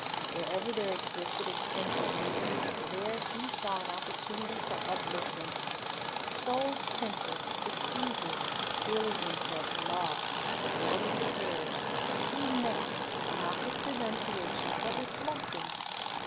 Wherever there existed a sense of need, there He saw opportunity for uplifting. Souls tempted, defeated, feeling themselves lost, ready to perish, He met, not with denunciation, but with blessing.